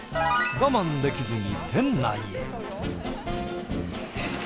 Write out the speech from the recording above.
我慢できずに店内へ。